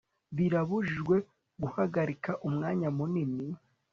birabujijwe guhagarika umwanya munini